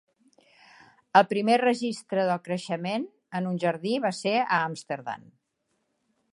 El primer registre del creixement en un jardí va ser a Amsterdam.